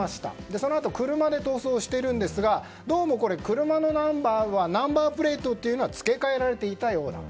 そのあと車で逃走しているんですがどうも、車のナンバーはナンバープレートが付け替えられていたよう。